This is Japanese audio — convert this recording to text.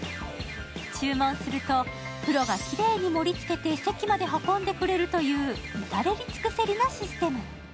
注文すると、プロがきれいに盛り付けて席まで運んでくれるという至れり尽くせりなシステム。